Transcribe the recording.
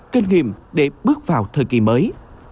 kinh nghiệm để bước vào thời kỳ mới